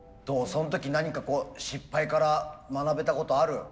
その時何か失敗から学べたことある？